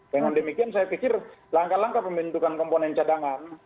dengan demikian saya pikir langkah langkah pembentukan komponen cadangan